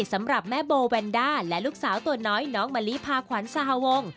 สำหรับแม่โบแวนด้าและลูกสาวตัวน้อยน้องมะลิพาขวัญสหวง